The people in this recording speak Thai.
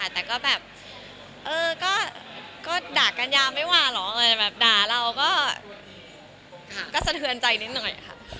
แต่ก็ด่ากัญญาไม่ว่าหรอกด่าเราก็สะเทือนใจนิดหน่อยค่ะ